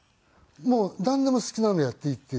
もうなんでも好きなのやっていいって。